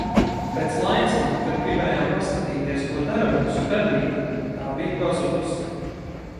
Pēc laiciņa, kad gribējām paskatīties, ko dara mūsu pelīte, tā bija pazudusi.